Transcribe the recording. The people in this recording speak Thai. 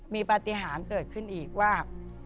มีปฏิหารเกิดขึ้นอีกว่า